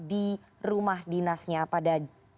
di rumah dinasnya pada